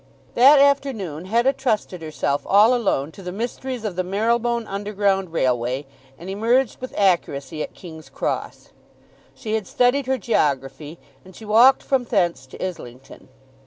That afternoon Hetta trusted herself all alone to the mysteries of the Marylebone underground railway, and emerged with accuracy at King's Cross. She had studied her geography, and she walked from thence to Islington.